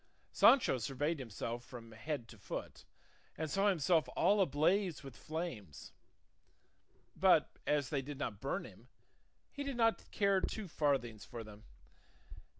Sancho surveyed himself from head to foot and saw himself all ablaze with flames; but as they did not burn him, he did not care two farthings for them.